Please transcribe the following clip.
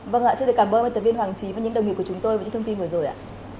vâng ạ xin cảm ơn tập viên hoàng trí và những đồng nghiệp của chúng tôi và những thông tin vừa rồi ạ